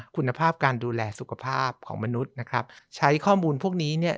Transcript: คุณภาพการดูแลสุขภาพของมนุษย์นะครับใช้ข้อมูลพวกนี้เนี่ย